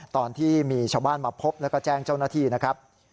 ตอนที่มีชาวบ้านมาพบแล้วก็แจ้งเจ้าหน้าที่นะครับ